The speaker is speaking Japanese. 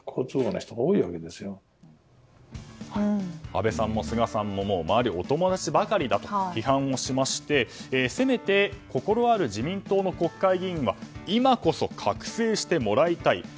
安倍さんも菅さんも周りは、お友達ばかりだと批判をしましてせめて心ある自民党の国会議員は今こそ覚醒してもらいたいと。